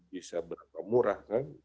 bisa berapa murah kan